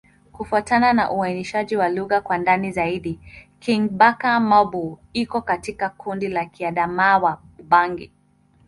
Kufuatana na uainishaji wa lugha kwa ndani zaidi, Kingbaka-Ma'bo iko katika kundi la Kiadamawa-Ubangi.